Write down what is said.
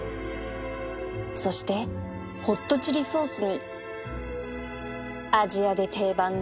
そしてホットチリソースにアジアで定番の甘口しょうゆ